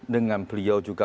dengan beliau juga